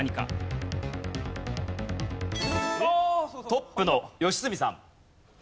トップの良純さん。